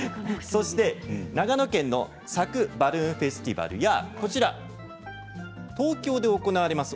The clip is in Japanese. そして長野県の佐久バルーンフェスティバルや東京で行われます